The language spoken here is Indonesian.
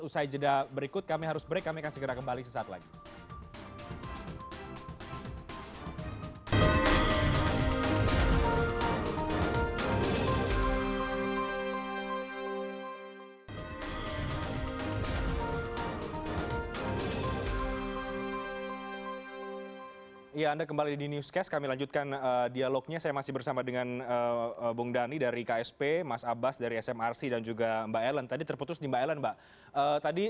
usai jeda berikut kami harus break kami akan segera kembali sesaat lagi